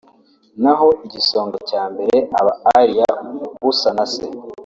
naho igisonga cya mbere aba Aaliyah Usanase